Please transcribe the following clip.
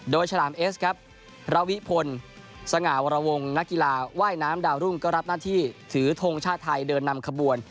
โดยฉลามเอสครับระวิพลสง่าวรวงนักกีฬาว่ายน้ำดาวรุ่งก็รับหน้าที่ถือทงชาติไทยเดินนำขบวน